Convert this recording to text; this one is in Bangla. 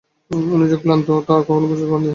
উনি যে কতো ক্লান্ত থাকতেন, তা কখনোই বুঝতে দেননি।